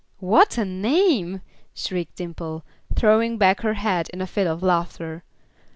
"What a name!" shrieked Dimple, throwing back her head in a fit of laughter.